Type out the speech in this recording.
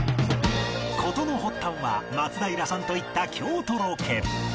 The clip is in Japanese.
事の発端は松平さんと行った京都ロケ